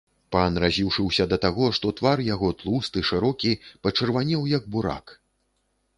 Пан раз'юшыўся да таго, што твар яго, тлусты, шырокі, пачырванеў як бурак.